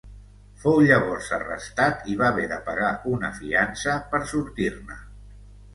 Fou llavors arrestat i va haver de pagar una fiança per sortir-ne.